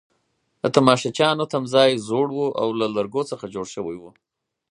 د تماشچیانو تمځای زوړ وو او له لرګو څخه جوړ شوی وو.